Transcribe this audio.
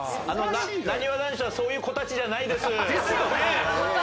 なにわ男子はそういう子たちじゃないです。ですよね！